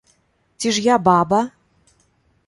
Ці ж я баба?!.